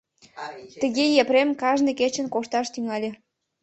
Тыге Епрем кажне кечын кошташ тӱҥале.